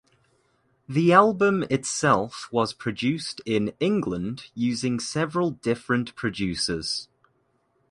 The album itself was produced in England using several different producers.